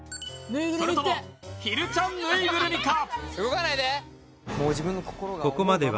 それともひるちゃんぬいぐるみか？